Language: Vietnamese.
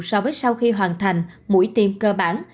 so với sau khi hoàn thành mũi tiêm cơ bản